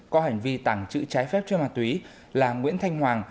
có hành vi tẳng chữ trái phép trên ma túy là nguyễn thanh hoàng